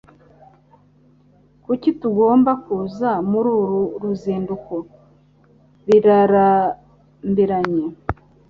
Kuki tugomba kuza muri uru ruzinduko? Birarambiranye.